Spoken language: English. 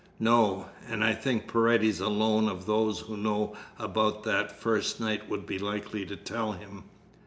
"No, and I think Paredes alone of those who know about that first night would be likely to tell him."